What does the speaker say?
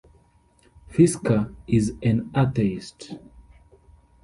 Fischer is an atheist.